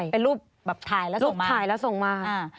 เป็นรูปถ่ายแล้วส่งมา